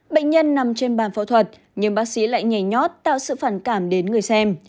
bệnh nhân nằm trên bàn phẫu thuật nhưng bác sĩ lại nhảy nhót tạo sự phản cảm đến người xem